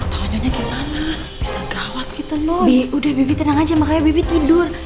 untung aja aku tadi udah share location